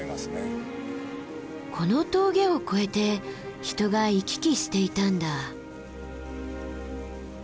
この峠を越えて人が行き来していたんだ。